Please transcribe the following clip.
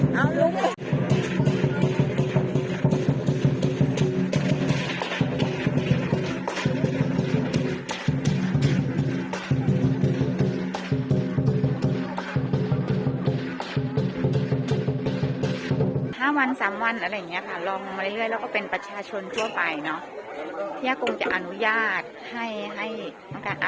ห้าวันสามวันอะไรอย่างเงี้ยค่ะรอมาเรื่อยเรื่อยแล้วก็เป็นประชาชนทั่วไปเนาะ